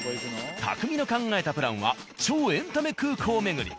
たくみの考えたプランは超エンタメ空港巡り。